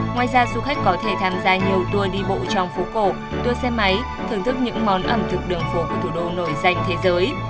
ngoài ra du khách có thể tham gia nhiều tour đi bộ trong phố cổ tour xe máy thưởng thức những món ẩm thực đường phố của thủ đô nổi danh thế giới